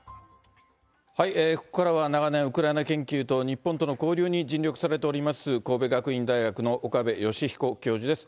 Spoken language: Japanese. ここからは長年、ウクライナ研究と日本との交流に尽力されております、神戸学院大学の岡部芳彦教授です。